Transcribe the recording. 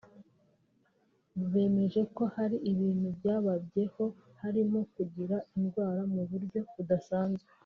bemeje ko hari ibintu byababyeho harimo gukira indwara mu buryo budasanzwe